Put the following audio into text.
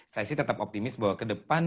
saya sih tetap optimis bahwa ke depan